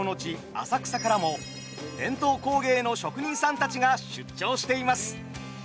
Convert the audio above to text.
浅草からも伝統工芸の職人さんたちが出張しています。